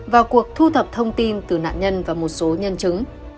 vào cuộc thu thập thông tin từ nạn nhân và một số nhân chứng